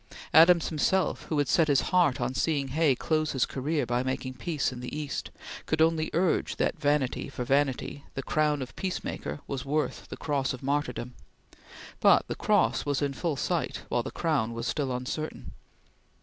Adams himself, who had set his heart on seeing Hay close his career by making peace in the East, could only urge that vanity for vanity, the crown of peacemaker was worth the cross of martyrdom; but the cross was full in sight, while the crown was still uncertain.